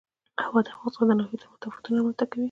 هوا د افغانستان د ناحیو ترمنځ تفاوتونه رامنځ ته کوي.